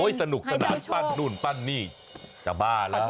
สนุกสนานปั้นนู่นปั้นนี่จะบ้าแล้ว